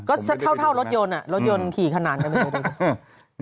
ก็เท่ารถยนต์รถยนต์ขี่ขนาดกันเลย